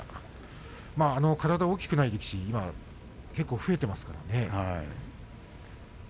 体が大きくない力士は今、増えてますからね。